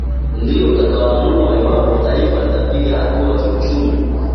ndio utakao amua iwapo taifa litapiga hatua kiuchumi